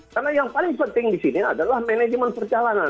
karena yang paling penting di sini adalah manajemen perjalanan